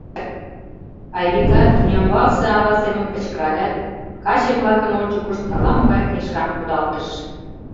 — Айвика тӱнямбалсе ава семын кычкыралят, каче-влакын ончыкышт ала-могай книжкам кудалтыш.